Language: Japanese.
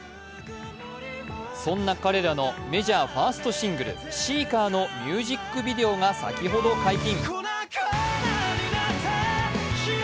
そんな彼らのメジャーハーストシングル「ｓｅｅｋｅｒ」のミュージックビデオが先ほど解禁。